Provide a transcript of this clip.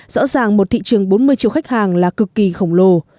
rõ ràng một thị trường bốn mươi triệu khách hàng là cực kỳ khổng lồ